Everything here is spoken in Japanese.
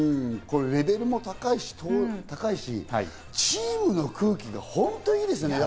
レベルも高いし、チームの空気が本当にいいですね。